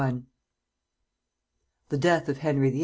The death of Henry VIII.